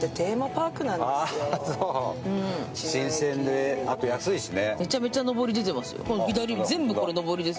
新鮮で、あと安いしね。